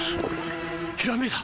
ひらめいた！